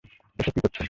এসব কী করছেন?